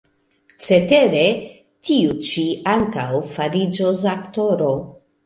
Cetere, tiu ĉi ankaŭ fariĝos aktoro.